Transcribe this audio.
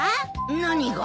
何が？